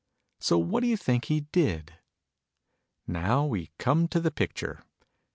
So what do you think he did? (Now we come to the picture ).